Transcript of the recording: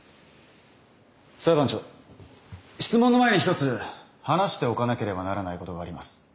裁判長質問の前に一つ話しておかなければならないことがあります。